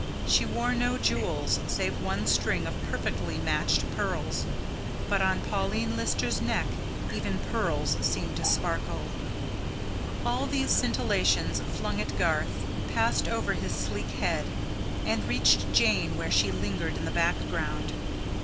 She wore no jewels, save one string of perfectly matched pearls; but on Pauline Lister's neck even pearls seemed to sparkle. All these scintillations, flung at Garth, passed over his sleek head and reached Jane where she lingered in the background.